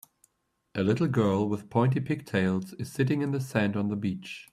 A little girl with pointy pigtails is sitting in the sand on the beach.